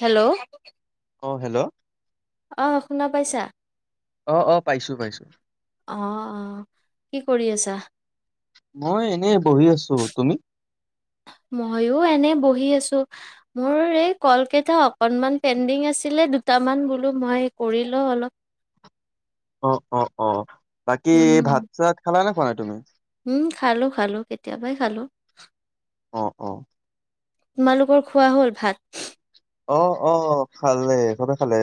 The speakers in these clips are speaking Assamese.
হেল্ল' অঁ হেল্ল' অ, শুনা পাইছা? অ, অ, পাইছো। পাইছো। অ-অ, কি কৰি আছা? মই এনে বহি আছো। তুমি? পঢ়ি আছোঁ। মোৰ এই কলকেইটা অকনমান পেডিং আছিলে। দুটামান বোলোঁ মই কৰি লও অলপ। অ-অ-অ। বাকী উম ভাত-চাত খালা নে খোৱা নাই তুমি? উম, খালোঁ-খালোঁ, কেতিয়াবাই খালোঁ। অ-অ। তোমালোকৰ খোৱা হ'ল ভাত? অ-অ, খালে। চবে খালে।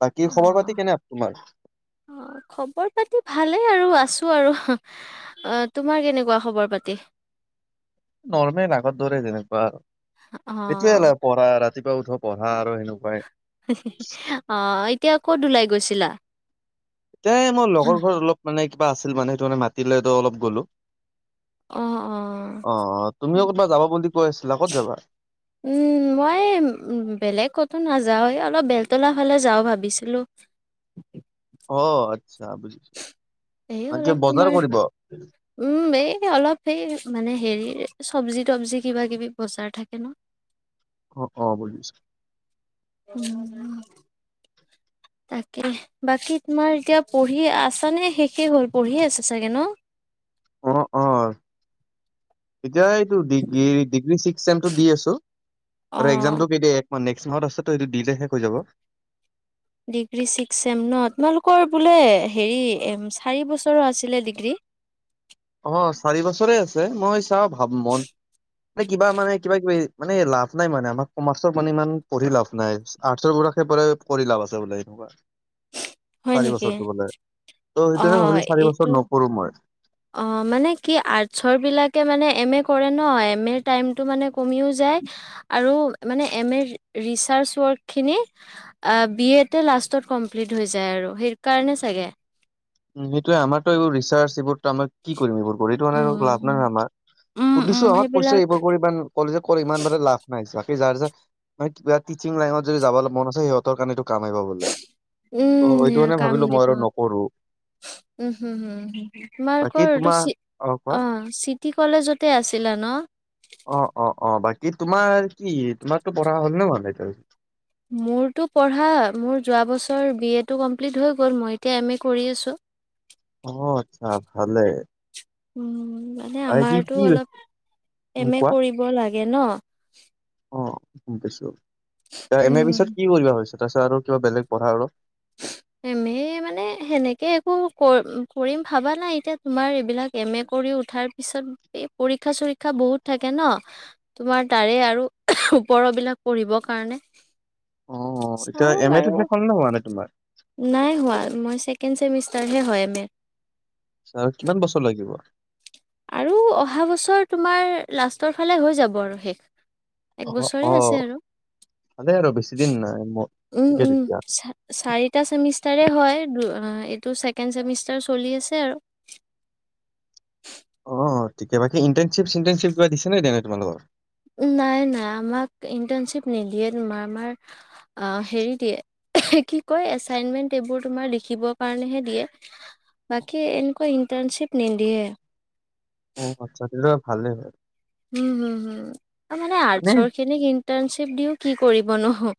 বাকী খবৰ পাতি কেনে তোমাৰ অ-অ, খবৰ পাতি ভালেই আৰু আছো। আৰু। অ তোমাৰ কেনেকুৱা খবৰ-পাতি? নৰ্মেল আগত দৰে যেনেকুৱা আৰু, অ সেইটোৱে অলপ পঢ়া ৰাতি ৰাতিপুৱা উঠো, পঢ়া আৰু সেনেকুৱাই অ এতিয়া ক'ত ওলাই গৈছিলা? তেই মই লগৰ ঘৰত অলপ মানে কিবা আছিল মানে সেইটোকাৰণে মানে মাতিলে তো অলপ গ'লো। অ অ-অ অ তুমিও কতবা যাবা বুলি কৈ আছিলা ক'ত যাবা উম, মই বেলেগ কতো নাযাওঁ। এই অলপ বেলতলা ফালে যাওঁ ভাবিছিলো। অ, আচ্ছা বুজিছো। এই বাকী অলপ বজাৰ তোমাৰ কৰিব? উম, এই অলপ সেই মানে হেৰি চব্জি তবজি কিবা কিবি বজাৰ থাকে ন? অ-অ, বুজিচো। উম। তাকে। বাকী তোমাৰ এতিয়া পঢ়ি আছানে শেষে হ'ল? পঢ়িয়ে আছে চাগে ন? অ-অ। এতিয়া এইটো ডিগ্ৰী, ডিগ্ৰী ছিক্স চেমটো দি আছো আৰু অ'। একজামতটো কে অহ, নেক্সট মাহত আছেটো। এইটো দিলে শেষ হৈ যাব। ডিগ্ৰী ছিক্স চেম ন? তোমালোকৰ বোলে হেৰি চাৰি বছৰৰ আছিলে ডিগ্ৰী? [inaudible] অহ, চাৰি বছৰে আছে। মই চাওঁ ভাব মন মানে কিবা মানে কিবা কিবি মানে লাভ নাই মানে। আমাক কমাৰ্চৰ মানে ইমান পঢ়ি লাভ নাই। আৰ্টচৰ পৰা কৰি লাভ আছে বোলে। এনেকুৱা হয় চাৰি নেকি? বছৰটো বোলে। ত' সেইটোহে অ', ভাবিলো চাৰি এইটো বছৰ নকৰো মই অ মানে কি আৰ্টচৰ বিলাকে মানে এম এ কৰে ন, এম এৰ টাইমটো মানে কমিও যায়। যায় আৰু মানে এ এম ৰ ৰিচাৰ্ছ ৱৰ্ক খিনি, এই বি এ‌তে লাচ তত কমপ্লিট হৈ যায় আৰু, সেইকাৰণে চাগে। উম সেইটোৱে। আমাৰতো এইবোৰ ৰিচাৰ্চ এইবোৰতো আমাৰ কি কৰিম, এইবোৰ কৰি? এইটো মানে লাভ নাই ন উম, আমাৰ। উম, উম, সুধিছো আমাক কৈছে সেইবিলাক এইবোৰ কৰি ইমান কলেজ ইমান বোলে লাভ নাই যাক যাৰ যাৰ মানে কিবা টিচিং লাইনত যদি যাবলে মন আছে, সিহঁতৰ কাৰণে এইটো কাম আহিব বোলে। ত সেইটো উম, কাৰণে কাম ভাবিলো মই দিব। আৰু নপৰো। উম হুম হম হ, বাকী তোমালোকৰটো তোমাৰ চি- কোৱা অ চিটি কলেজতে আছিলা ন? অ অ অ, বাকী তোমাৰ কি? তোমাৰতো পঢ়া হ'ল নে ভালেকৈ? মোৰতো পঢ়া মোৰ যোৱা বছৰ বি এ টো কমপ্লিট হৈ গল। মই এতিয়া এম এ কৰি আছো। [inaudible] অ, আচ্ছা ভালে। উম মানে আৰু কি আমাৰতো কি অলপ উম, এম এ কোৱা কৰিব লাগে ন। অ গম পাইছো। এম এ উম, পিছত কি কৰিবা ভাবিছা তাপিছত আৰু কিবা বেলেগ পঢ়া আৰু এমে মানে সেনেকে একো ক কৰিম ভাবা নাই এতিয়া তোমাৰ এইবিলাক এম এ কৰি উঠাৰ পিছত এই পৰীক্ষা চৰীক্ষা বহুত থাকে ন, তোমাৰ তাৰে আৰু ওপৰ বিলাক পঢ়িব দিবৰ কাৰণে অ এতিয়া চাও এম এ টো বাৰু শেষ হল নে নাই এনে তোমাৰ? নাই হোৱা। মই ছেকেণ্ড চেমিষ্টাৰহে হয় এম এ। চ আৰু কিমান বছৰ লাগিব। আৰু অহা বছৰ তোমাৰ লাষ্টৰ ফালে হৈ যাব আৰু শেষ। অ এক বছৰে অ আছে আৰু। ভালে আৰু বেছি দিন নাই মোৰ উম ঠিকে উম তেতিয়া চা চাৰিটা চেমিষ্টাৰে হয়, দু - অ এইটো ছেকেণ্ড চেমিষ্টাৰ চলি আছে আৰু অহ, ঠিকে বাকি ইন্তানশ্বিপ -চিন্তানশ্বিপ কিবা দিছে নে দি নাই তোমালোকৰ? নাই নাই আমাক ইণ্টাৰ্ণশ্বিপ নিদিয়ে তোমাৰ আমাৰ আ হেৰি দিয়ে। কি কয় এচাইনমেন্ট এইবোৰ তোমাৰ লিখিব কাৰণেহে দিয়ে। বাকী এনেকুৱা ইণ্টাৰ্ণশ্বিপ নিদিয়ে। অ আচ্ছা সেইটো ভালে হয়। উম হম হুম, ত মানে আৰ্টচৰ খিনিক ইন্টাৰ্ণশ্বিপ দিও কি কৰিবনো। হঅ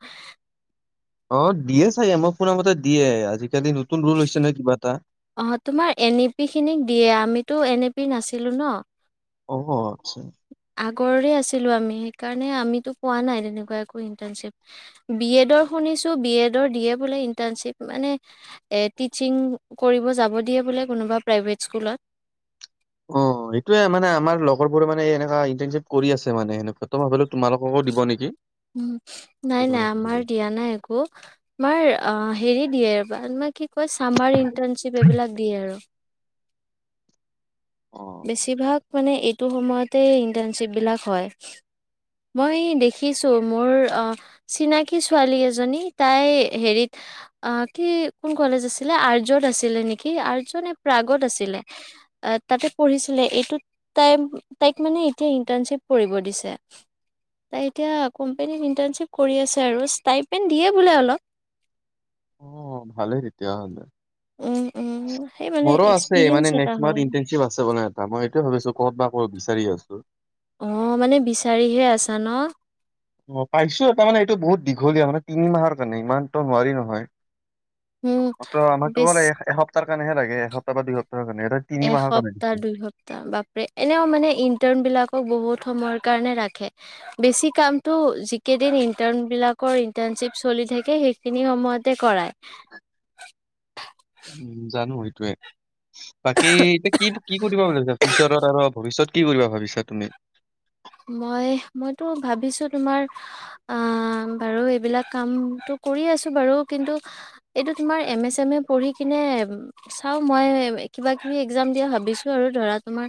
অ দিয়ে চাগে, মই শুনা মতে দিয়ে। আজিকালি নতুন ৰোল হৈছে ন কিবা এটা। অ তোমাৰ এন এ পি খিনিক দিয়ে, আমিতো এন এ পি নাছিলো ন। অ আচ্ছা। কৰি আছিলো আমি, সেই কাৰণে আমি টো পোৱা নাই, তেনেকুৱা একো ইন্টাৰ্ণচিপ। বিএডৰ খিনি নিছোঁ বি এড ৰ দিয়ে বোলে ইন্টাৰ্নিচিপ মানে এ তিচিং কৰিব‌ যাব দিয়ে বোলে। কোনোবা প্ৰাইভেট স্কুলত। অ সেইটোয়ে মানে আমাৰ লগৰবোৰে মানে এনকা ইণ্টাৰ্ণশ্বিপ কৰি আছে মানে সেনকা ত ভাবিলো তোমালোককো দিব নিক। উম নাই নাই আমাৰ দিয়া নাই একো, আমাৰ আ হেৰি দিয়ে ম না কি কয় চামাৰ ইটাৰ্নশ্বিপ এইবিলাক দিয়ে আৰু অ বেছিভাগ মানে এইটো সময়তে ইন্টাৰ্ণশ্বিপবিলাক হয়। মই দেখিছো মোৰ অ চিনাকী ছোৱালী এজনী তাই হেৰিত, অ কি কোন কলেজ আছিলে, আৰ্যত আছিলে নিকি আৰ্য নে প্ৰাগত আছিলে? তাতে পঢ়িছিলে। এইটোত তাই তাইক মানে এতিয়া ইন্টাৰ্ণশ্বিপ কৰিব দিছে। তাই এতিয়া কোম্পনীক ইণ্টাৰ্ণশ্বিপ কৰি আছে আৰু ষ্টাই পেন দিয়ে বোলে অলপ। অ ভালেই তেতিয়া হ'লে। উম, উম, সেই মানে মোৰো আছে এক্সপিৰিয়েঞ্চ মানে এটা নেস্ক হয়। মাহত ইন্টাৰ্ণশ্বিপ আছে মানে এটা। মই হেটোৱে ভাবিছো ক'ত বা ক'ত বিচাৰি আছো। অ মানে বিচাৰিহে আছা ন অ পাইছো তাৰমানে এইটো বহুত দীঘলীয়া মানে তিনি মাহৰ কাৰণে ইমান তো নোৱাৰি নহয়। উম, আমাক ত আমাক ত বেছ মান এসপ্তাহ কাৰণেহে লাগে, এসপ্তাহ বা দু সপ্তাহ। এসপ্তাহ, দুই সপ্তাহ বাপৰে এনেও মানে ইন্টাৰণ বিলাকৰ বহুত থুমৰ কাৰণে ৰাখে। বেছি কামটো যিকেইদিন ইন্টাৰ্ণবিলাকৰ ইন্টাৰ্ণশ্বিপ চলি - চলি থাকে সেইখিনি সময়তে কৰাই। [unintelligible] টোৱে বাকী এতিয়া কি কি কৰিব বুলিছা ফিউচাৰত আৰু ভৱিষ্যত কি কৰিবা ভাবিছা তুমি? মই মইতো ভাবিছো তোমাৰ আ বাৰু এইবিলাক কাম টো- কৰি আছো বাৰু কিন্তু এইটো তোমাৰ এম এছ এম এ পঢ়ি কিনে চাও মই কিবা কিবি একজাম দিয়া ভাবিছো আৰু ধৰা তোমাৰ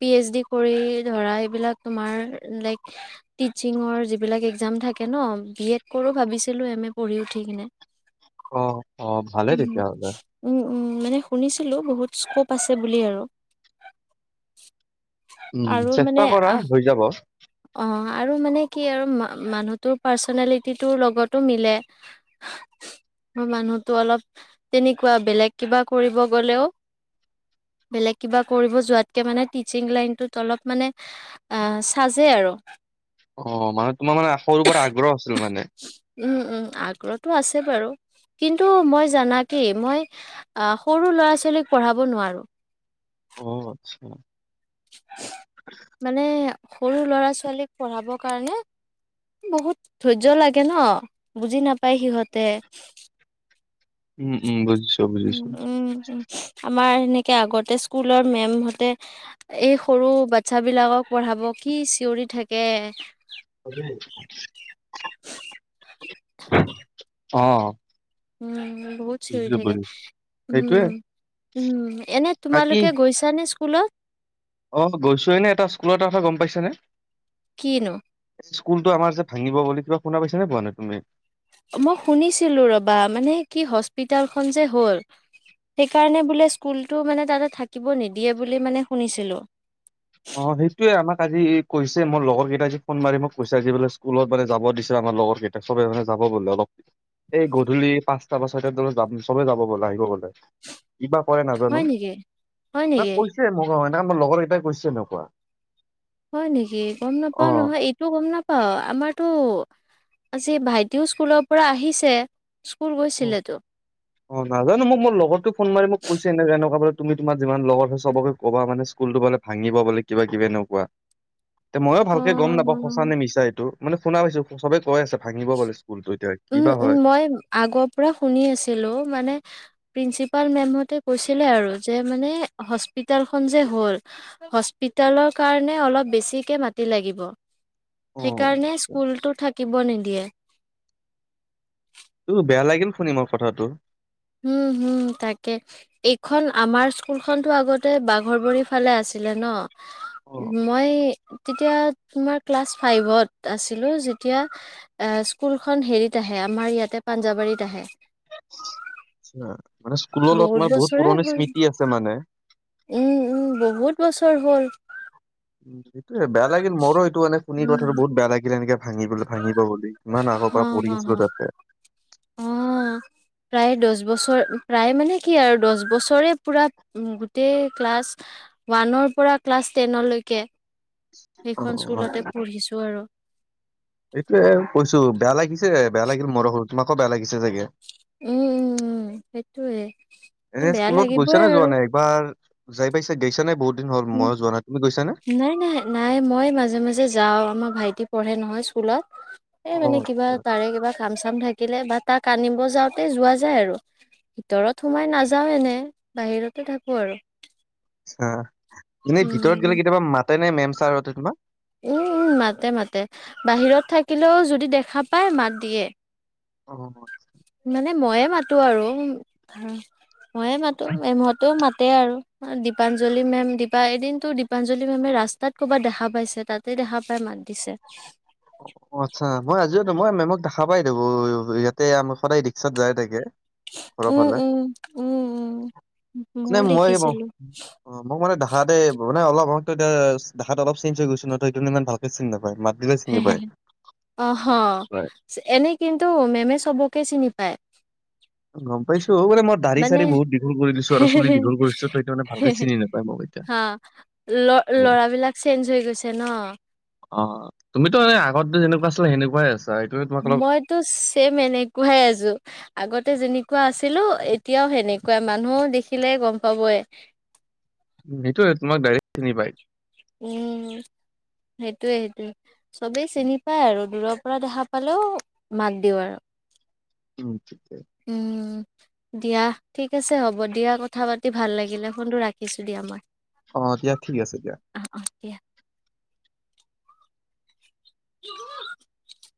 পি এইচ ডি কৰি ধৰা এইবিলাক তোমাৰ লাইক টিচিঙৰ যিবিলাক এক্সাম থাকে ন, বি এড কৰো ভাবিছিলো এম - আমি পঢ়ি উঠি কিনে অ অ ভালে উম- তেতিয়াহ'লে উম - উম মানে শুনিছিলো বহুত স্কোপ আছে বুলি আৰু। উম আৰু মানে চেষ্টা কৰা আহ হৈ যাব। অ আৰু মানে কি আৰু মানুহটোৰ পাৰ্চনেলিটিটোৰ লগতো মিলে। ম মানুহতো অলপ তেনেকুৱা বেলেগ কিবা কৰিব গ'লেও বেলেগ কিবা কৰিব যোৱাতকে মানে তিছিং লাইনটোত অলপ মানে অ, আজে আৰু অ, মানে তোমাৰ মানে আখৰ ওপৰত আগ্ৰহ আছিল মানে? উম -উম আগ্ৰহটো আছে বাৰু। কিন্তু মই জানা কি, মই সৰু ল'ৰা ছোৱালীক পঢ়াব নোৱাৰো। [inaudible] অ আচ্ছা। মানে সৰু লৰা ছোৱালীক পঢ়াবৰ কাৰণে, বহুত ধৈৰ্য লাগে ন, বুজি নাপায় সিহঁতে। উম উম বুজো, উ উম আমাৰ সনে - আগতে স্কুলৰ মেমহতে এই সৰু বাচ্ছা বিলাকক পঢ়াব, কি চিঞৰি। থাকে। [inaudible] [unintelligible] অ উম বহুত চিৰি বুজিছো থাকে বুজিছো উম সেইটোয়ে উম এনে বাকী তোমালোকে গৈছা নে শুল অ গৈছোৱে নে এটা স্কুলৰ এটা কথা গম পাইছা নে কিনো স্কুলতটো আমাৰ যে ভাঙিব বুলি কিবা শুনা পাইছ নে পোৱা নাই তুমি মই শুনিছিলো ৰবা মানে কি হস্পিতেলখন যে হ'ল সেইকাৰণে বোলে স্কুলটো মানে তাতে থাকিব নিদিয়ে বুলি মানে শুনিছিলোঁ অ সেইটোয়ে আমাক আজি কৈছে মোৰ লগৰ কেইটাই আজি ফোন মাৰি মোক কৈছে আজি বুলে স্কুলত মানে যাব দিছে তোমাৰ লগৰ কেইটাক সবে জানে যাব বোলে অলপ এই গধূলি পাঁচটা বা ছয়িটা বত যাম চবে যাব বলে আহিব গলে কিবা কৰে নাজানো হয় নেকি? হয় নেকি? কৈছে মে আমাৰ লগৰ কেইটাই কৈছে এনেকুৱা হয় নেকি গম অ নাপাওঁ নহয় এইটো গম নাপাওঁ আমাৰতো আজি ভাইটিও স্কুলৰ পৰা আহিছে স্কুল অ গৈছিলেতো। অ নাজানো মোক মোৰ লগতো ফোন মাৰি মোক কৈছে এনে এনেকুৱা তুমি তোমাৰ যিমান লগত হয় সবকে ক'বা মানে স্কুলটো বোলে ভাঙিব বোলে কিবা কিবি এনেকুৱা তে ময়ো অ', ভালকে গম নাপাওঁ সঁচ নে মিছা এইটো মানে শুনা পাইছো চবে কৈ আছে ভাঙিব পিছো উম উম মই আগৰ পুৰা শুনি আছিলো মানে প্ৰিন্সিপাল মেমহতে কৈছিলে আৰু যে মানে হস্পিতালখন যে হ'ল হস্পিতেলৰ কাৰণে অলপ বেছিকে মাতি লাগিব অ সেইকাৰণে স্কুলটো থাকিব নিদিয়ে ত বেয়া লাগিল শুনি মই কথাটো হম হম তাকে এইখন আমাৰ স্কুলখনতো আগতে বাঘৰ বাৰী ফালে আছিল ছিলে ন অ', মই তেতিয়া তোমাৰ ক্লাছ ফাইভত আছিলো যেতিয়া স্কুলখন হেৰিত আহে আমাৰ ইয়াতে পাঞ্জাবাৰীত আহে আ মানে স্কুলৰ লগত মই বহুত বছৰে পুৰণি হ'ল স্মৃতি আছে মানে। উম উম বহুত বছৰ হ'ল। উম এইটোয়ে বেয়া লাগিল মোৰো এইটো মানে শুনি কথাটো উম বহুত বেয়া লাগিল এনেকে ভাঙিব ভাঙিব বুলি কিমান হ আগৰ পৰা হ পঢ়ি আছিলো হ তাতে অ প্ৰায় দহ বছৰ প্ৰায় মানে কি আৰু দহ বছৰে পুৰা গোটেই ক্লাছ ৱানৰ পৰা ক্লাছ টেন লৈকে অ'। সেইখন অ, স্কুলতে পঢ়িছো আৰু এইটোয়ে কৈছো বেয়া লাগিছে বেয়া লাগিল মোৰ সৰু তোমাকো বেয়া লাগিল চে চাগে উম উম উম সেইটোয়ে এনে বেয়া স্কুলত গৈছ লাগিবই নে যোৱা আৰু নাই এবাৰ যাই পাইছে গাইছ নাই বহুত দিন হ'ল ময়ো যোৱা নাই তুমি গৈছা নে? নাই নাই নাই মই মাজে মাজে যাও আমাৰ ভাইটি পঢ়ে ন নহয় স্কুলত এই মানে অ', কিবা আচ্ছা তাৰে কিবা কাম চাম থাকিলে ব তাক আনিব যাওঁতে যোৱা যায় আৰু ভিতৰত সোমাই নাযাওঁ এনে বাহিৰতে থাকো আৰু হ এনে ভিতৰত গ'লে উম কেতিয়াবা মাতে নে মেম চাৰ হতে তোমাক উম উম মাতে মাতে বাহিৰত থাকিলেও যদি দেখা পায় মাত দিয়ে অ মানে ময়ে মাতো আৰু ময়ে মাতো এ মেমহতেও মাতে তে আৰু দীপাঞ্জলি মেম দপা এদিনতো দীপাঞ্জলি মেমে ৰাস্তাত ক'ৰবাত দেখা পাইছে তাতে দেখা পাই মাত দিছে অ', আচ্ছা মই আজিও মই মেমক দেখা পাই দো ইয়াতে আ সদায় ৰিক্সাত যায় থাকে। ঘৰৰ উম ফালে। উম উম উম মানে ময়ো মই দেখিছিলো মোক মানে ধাৰাতে মানে অলপ এতিয়া দেখাত অলপ চে্জ হৈ গৈছিল ন ত সেই ইমান ভালে চিনি নাপায় মাত দিলে চিনি পায়। অ হ হয়। এনে কিন্তু মেমে চবকে চিনি পায়। গম পাইছোঁ অ মানে ম দাঢ়ি- মানে চাৰি বহুতদীঘল কৰি দিছোঁ আৰু চুলি দীঘ কৰিছোঁ তই সেইটো মানে ভালকে চিনি নাপাই মোক এতিয়া। হা ল হয়। ল'ৰাবিলাক চেঞ্জ হৈ গৈছে ন। অ তুমি ত এনে আগত যেনেকুৱা আছিলা সনেকুৱাই আছা এইটোৱে তোমাক অলপ মইতো চেম এনেকুৱাই আছো আগতে যেন নে কুৱা আছিলো এতিয়াও সেনেকুৱা মানুহে দেখিলে গম পাবই সেইতোৱে তোমাক ডাইৰেক্ট চিনি পায় উম সেইটোয়ে সেইটোয়ে চবেই চিনি পায় আৰু দূৰৰ পৰা দেখা পালেও মাত দিওঁ আৰু উ উম দিয়া ঠিক আছে হ'ব দিয়া কথা পাতি ভাল লাগিলে ফোনটো ৰাখিছো দিয়া মই অ দিয়া, ঠিক আছে দিয়া। অ', অ', দিয়া [unintelligible]